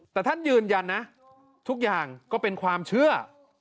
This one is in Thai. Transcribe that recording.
แต่ท่านยืนยันนะทุกอย่างก็เป็นความเชื่อ